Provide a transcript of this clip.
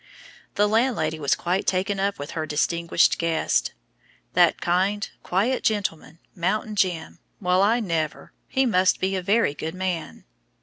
The landlady was quite taken up with her "distinguished guest." "That kind, quiet gentleman, Mountain Jim! Well, I never! he must be a very good man!"